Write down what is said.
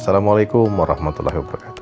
assalamualaikum warahmatullahi wabarakatuh